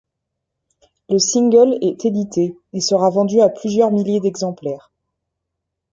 Le single est édité et sera vendu à plusieurs milliers d'exemplaires.